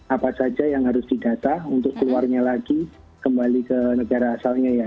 apa saja yang harus didata untuk keluarnya lagi kembali ke negara asalnya ya